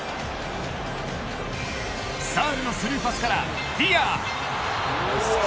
サールのスルーパスからディア。